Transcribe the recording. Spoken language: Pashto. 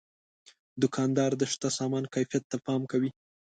دوکاندار د شته سامان کیفیت ته پام کوي.